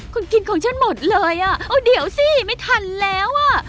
คุณกินของฉันหมดเลยอ่ะเอาเดี๋ยวสิไม่ทันแล้วอ่ะ